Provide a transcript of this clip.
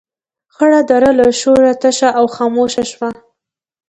خړه دره له شوره تشه او خاموشه شوه.